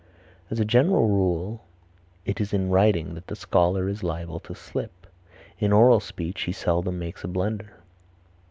As a general rule it is in writing that the scholar is liable to slip; in oral speech he seldom makes a blunder.